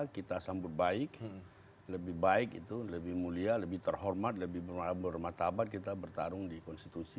kita sambut baik lebih baik itu lebih mulia lebih terhormat lebih bermartabat kita bertarung di konstitusi